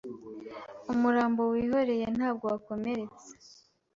Umurambo wihoreye ntabwo wakomeretse